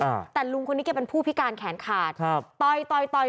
อ่าแต่ลุงคนนี้แกเป็นผู้พิการแขนขาดครับต่อยต่อยต่อย